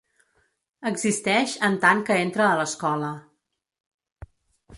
Existeix en tant que entra a l'escola.